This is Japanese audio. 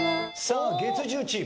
月１０チーム。